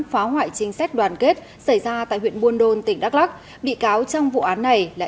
phá hoại chính sách đoàn kết xảy ra tại huyện buôn đôn tỉnh đắk lắc bị cáo trong vụ án này là